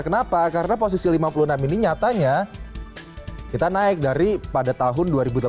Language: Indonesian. kenapa karena posisi lima puluh enam ini nyatanya kita naik dari pada tahun dua ribu delapan belas